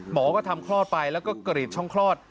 หมอก็ทำคลอดไปแล้วก็กรีดช่องคลอด